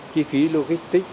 chi phí logistics